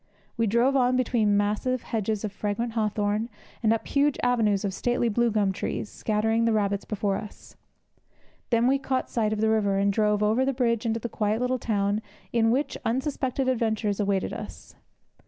We drove on between massive hedges of fragrant hawthorn, and up huge avenues of stately blue gum trees, scattering the rabbits before us. Then we caught sight of the river, and drove over the bridge into the quiet little town in which such unsuspected adventures awaited us.